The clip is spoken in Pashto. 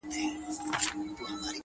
• کله کله د ځنکدن په وخت کي -